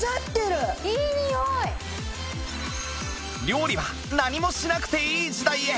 料理は何もしなくていい時代へ